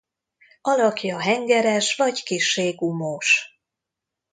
Alakja hengeres vagy kissé gumós.